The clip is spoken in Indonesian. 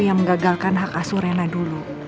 yang menggagalkan hak asuh rena dulu